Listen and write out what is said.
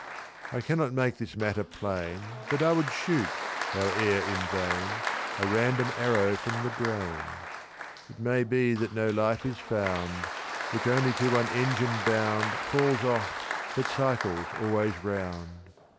"I cannot make this matter plain, But I would shoot, howe'er in vain, A random arrow from the brain. "It may be that no life is found, Which only to one engine bound Falls off, but cycles always round.